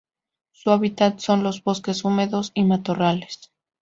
Su hábitat son los bosques húmedos y matorrales.